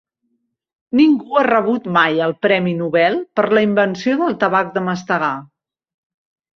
Ningú ha rebut mai el premi Nobel per la invenció del tabac de mastegar.